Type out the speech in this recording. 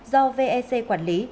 do vec quản lý